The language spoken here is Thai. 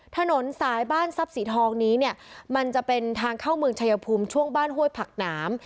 ถนนสายบ้านทรัพย์สีทองนี้เนี่ยมันจะเป็นทางเข้าเมืองชายภูมิช่วงบ้านห้วยผักหนาม